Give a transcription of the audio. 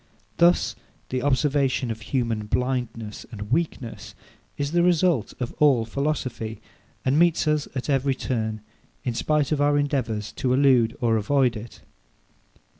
Thus the observation of human blindness and weakness is the result of all philosophy, and meets us at every turn, in spite of our endeavours to elude or avoid it.